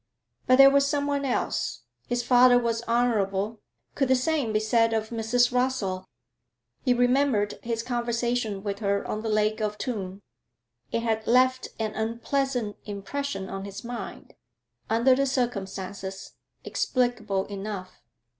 But there was someone else. His father was honourable; could the same be said of Mrs. Rossall? He remembered his conversation with her on the lake of Thun; it had left an unpleasant impression on his mind under the circumstances, explicable enough.